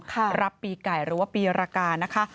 หรับปีก่ายหรือว่าปีระกาศนะคะ